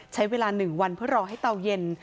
ใช้เวลา๑วันเพื่อรอให้เตาเย็น